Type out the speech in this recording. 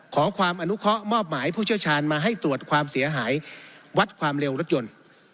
ขอความอนุเคาะมอบหมายผู้เชี่ยวชาญมาให้ตรวจความเสียหายวัดความเร็วรถยนต์